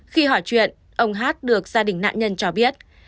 khi hỏi chuyện ông hát được gia đình nạn nhân cho biết